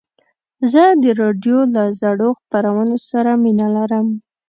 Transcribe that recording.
زه د راډیو له زړو خپرونو سره مینه لرم.